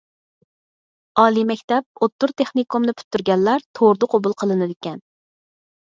ئالىي مەكتەپ، ئوتتۇرا تېخنىكومنى پۈتتۈرگەنلەر توردا قوبۇل قىلىنىدىكەن.